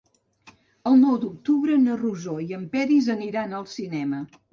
El nou d'octubre na Rosó i en Peris aniran al cinema.